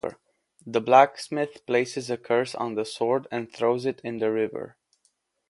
The blacksmith places a curse on the sword and is thrown in the river.